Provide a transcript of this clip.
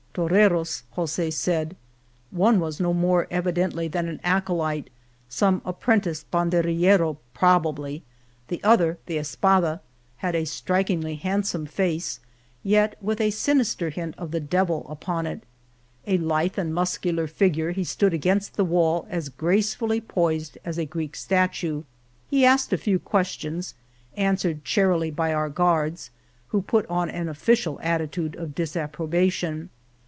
Toreros^'' Jos6 said. One was no more, evidently, than an acolyte, some apprenticed banderillero, probably ; the other — the espada — had a strikingly hand some face, yet with a sinister hint of the devil upon it. A lithe and muscular figure, he stood against the wall as gracefully poised as a Greek statue. He asked a few ques tions, answered charily by our guards, who put on an official attitude of disapprobation.